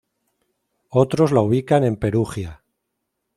Otros la ubican en Perugia.